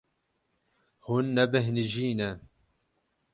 Hûn nebêhnijî ne.